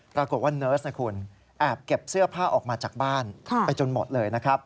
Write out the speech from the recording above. ปรากฏว่าเนิร์สแอบเก็บเสื้อผ้าออกมาจากบ้านไปจนหมดเลย